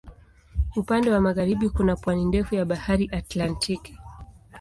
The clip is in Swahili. Upande wa magharibi kuna pwani ndefu ya Bahari Atlantiki.